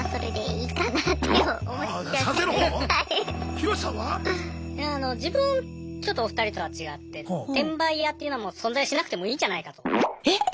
ヒロシさんは？いや自分ちょっとお二人とは違って転売ヤーっていうのはもう存在しなくてもいいんじゃないかと。